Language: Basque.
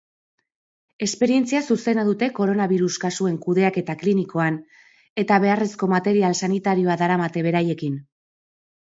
Esperientzia zuzena dute koronabirus kasuen kudeaketa klinikoan eta beharrezko material sanitarioa daramate beraiekin.